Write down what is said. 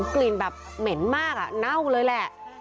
กลิ่นแบบเหม็นมากเน่าเลยแหละ